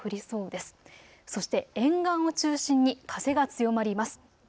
そして沿岸を中心に風が強まります。